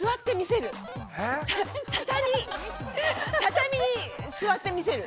◆畳に座って見せる。